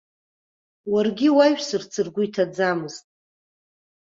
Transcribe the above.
Уаргьы иуаҩсырц ргәы иҭаӡамызт.